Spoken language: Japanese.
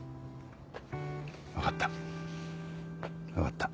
わかったわかった。